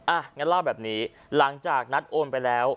งั้นเล่าแบบนี้หลังจากนัดโอนไปแล้ว